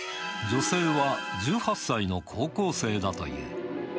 女性は１８歳の高校生だという。